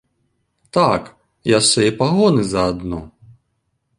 Так, яшчэ і пагоны заадно.